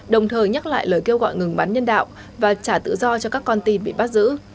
đồng thời nhắc lại lời kêu gọi ngừng bắn nhân đạo và trả tự do cho các con tin bị bắt giữ